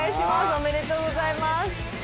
おめでとうございます。